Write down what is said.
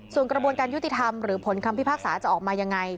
ส่วนกระบวนการยุติธรรมหรือผลคำพิพากษาจะออกมายังไง